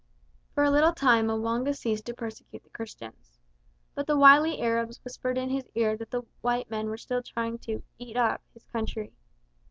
For a little time M'wanga ceased to persecute the Christians. But the wily Arabs whispered in his ear that the white men were still trying to "eat up" his country.